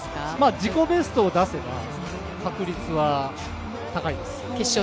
自己ベストを出せば確率は高いです。